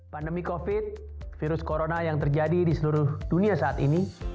pandemi covid virus corona yang terjadi di seluruh dunia saat ini